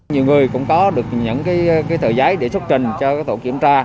nhiều người cũng có được những tờ giấy để xuất trình cho tổ kiểm tra